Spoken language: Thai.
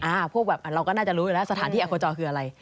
พวกแบบเราก็น่าจะรู้อยู่แล้วสถานที่อโคจรคืออะไร